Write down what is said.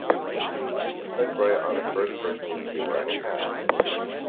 Swipe right on the first person you see wearing a hat.